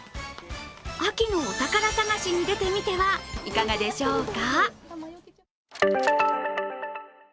秋のお宝探しに出てみてはいかがでしょうか。